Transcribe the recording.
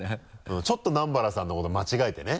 ちょっと南原さんのこと間違えてね。